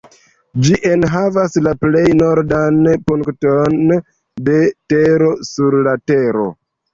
Ĝi enhavas la plej nordan punkton de tero sur la Tero.